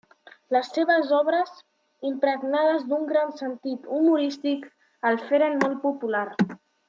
Les seves obres, impregnades d'un gran sentit humorístic, el feren molt popular.